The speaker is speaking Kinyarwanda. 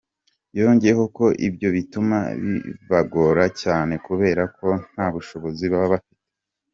yongeyeho ko ibyo bituma bibagora cyane kubera ko nta bushobozi baba bafite.